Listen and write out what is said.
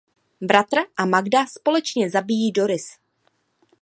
Bratr a Magda společně zabijí Doris.